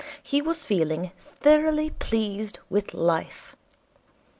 He was feeling thoroughly pleased with life.